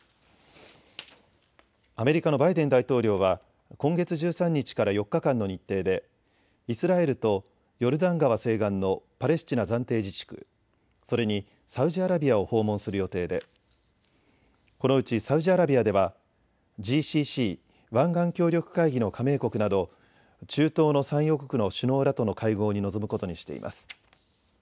アメリカのバイデン大統領は今月１３日から４日間の日程でイスラエルとヨルダン川西岸のパレスチナ暫定自治区、それにサウジアラビアを訪問する予定で、このうちサウジアラビアではＧＣＣ・湾岸協力会議の加盟国など中東の産油国の首脳らとの会合に臨むことにしています。